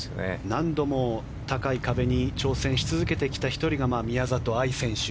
何度も高い壁に挑戦し続けてきた１人が宮里藍選手